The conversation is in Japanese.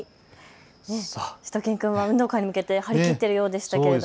しゅと犬くんも運動会に向けて張り切っているようでしたね。